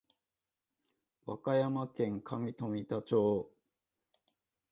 和歌山県上富田町